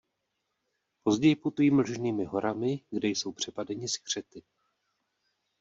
Později putují mlžnými horami, kde jsou přepadeni skřety.